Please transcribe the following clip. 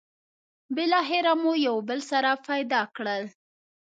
بالاخره مو یو بل سره پيدا کړل.